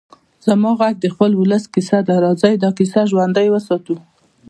زما غږ د خپل ولس کيسه ده؛ راځئ دا کيسه ژوندۍ وساتو.